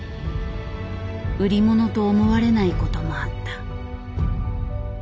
売り物と思われないこともあった。